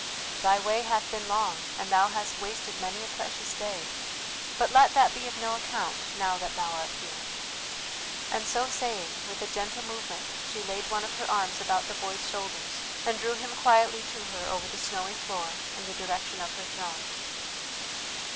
"Thy way hath been long, and thou hast wasted many a precious day, but let that be of no account now that thou art here," and so saying, with a gentle movement she laid one of her arms about the boy's shoulders and drew him quietly to her over the snowy floor in the direction of her throne.